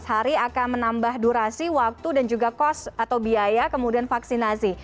empat belas hari akan menambah durasi waktu dan juga cost atau biaya kemudian vaksinasi